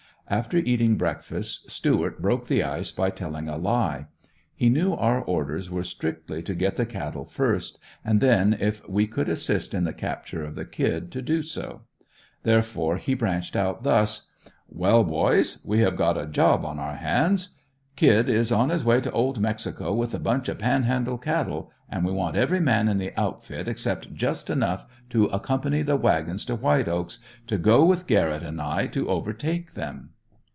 After eating breakfast Stuart broke the ice by telling a lie. He knew our orders were strictly to get the cattle first, and then if we could assist in the capture of the "Kid" to do so. Therefore he branched out thus: "Well boys, we have got a job on our hands: 'Kid' is on his way to Old Mexico with a bunch of Panhandle cattle; and we want every man in the outfit, except just enough to accompany the wagons to White Oaks, to go with Garrett and I to overtake them."